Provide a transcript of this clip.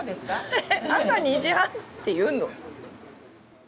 へへ朝２時半って言うの？